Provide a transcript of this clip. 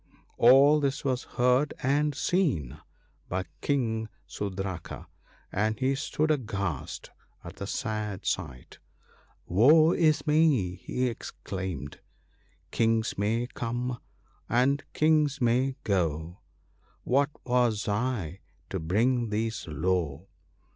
" All this was heard and seen by King Sudraka, and he stood aghast at the sad sight. ' Woe is me !' he exclaimed, —" Kings may come, and Kings may go ; What was I, to bring these low